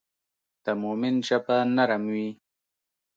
د مؤمن ژبه نرم وي.